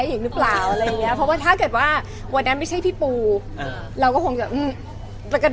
อเรนนี่มีมุมเม้นท์อย่างนี้ได้เห็นอีกไหมคะแล้วแต่สถานการณ์ค่ะแล้วแต่สถานการณ์ค่ะแล้วแต่สถานการณ์ค่ะ